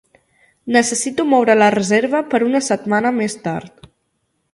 Necessito moure la reserva per una setmana més tard.